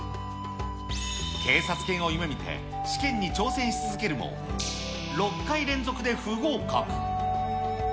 警察犬を夢見て、試験に挑戦し続けるも、６回連続で不合格。